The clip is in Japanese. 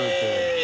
え。